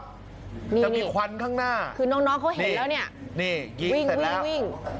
จะมีควันข้างหน้าน๊อนเขาเห็นแล้ววิ่ง